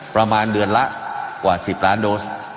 ประมาณเดือนละกว่า๑๐ล้านโดส